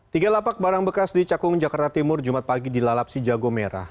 tiga lapak barang bekas di cakung jakarta timur jumat pagi di lalapsi jagomera